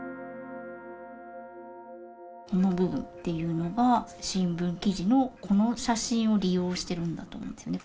この部分っていうのが新聞記事のこの写真を利用してるんだと思うんですよね。